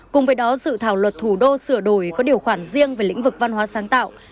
cùng với đó dự thảo luật thủ đô sửa đổi có điều khoản riêng về lĩnh vực văn hóa sáng tạo